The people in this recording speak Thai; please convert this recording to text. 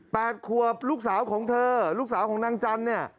แปดควบลูกสาวของเธอลูกสาวของนางจันทร์